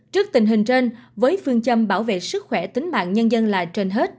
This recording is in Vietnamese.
trước tình hình trên với phương châm bảo vệ sức khỏe tính mạng nhân dân là trên hết